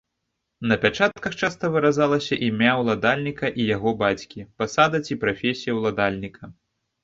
На пячатках часта выразалася імя ўладальніка і яго бацькі, пасада ці прафесія ўладальніка.